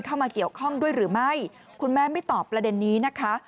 เข้ามาเกี่ยวข้องด้วยหรือไม่คุณแม่ไม่ตอบประเด็นนี้นะคะ